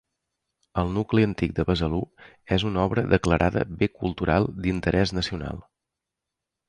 El nucli antic de Besalú és una obra declarada bé cultural d'interès nacional.